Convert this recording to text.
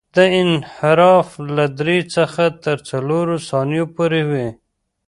دا انحراف له درې څخه تر څلورو ثانیو پورې وي